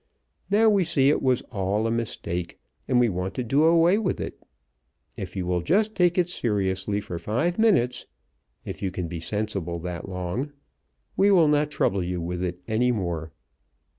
Now we see it was all a mistake and we want to do away with it. If you will just take it seriously for five minutes if you can be sensible that long we will not trouble you with it any more.